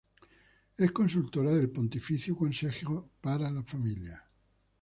Es consultora del Pontificio Consejo para la Familia.